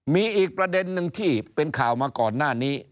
มีอีกประเด็นนึงที่เป็นข่าวมาก่อนหน้านี้